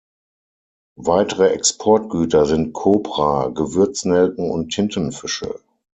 Weitere Exportgüter sind Kopra, Gewürznelken und Tintenfische.